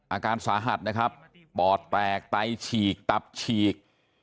อาการสาหัสนะครับปอดแตกไตฉีกตับฉีก